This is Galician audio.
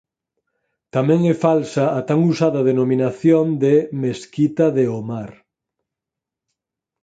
Tamén é falsa a tan usada denominación de "Mesquita de Omar".